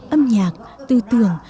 âm nhạc tư tường